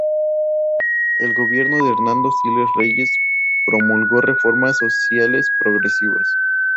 El gobierno de Hernando Siles Reyes promulgó reformas sociales progresivas.